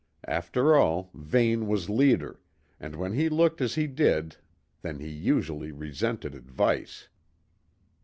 After all, Vane was leader, and when he looked as he did then he usually resented advice.